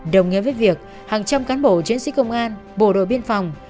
đồng nghĩa với việc hàng trăm cán bộ chiến sĩ công an bộ đội biên phòng